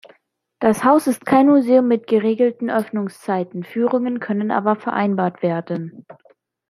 Das Haus ist kein Museum mit geregelten Öffnungszeiten, Führungen können aber vereinbart werden.